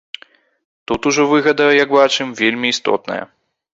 Тут ужо выгада, як бачым, вельмі істотная.